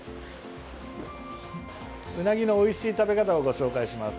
うなぎのおいしい食べ方をご紹介します。